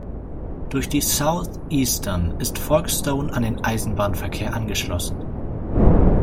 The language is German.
Durch die Southeastern ist Folkestone an den Eisenbahnverkehr angeschlossen.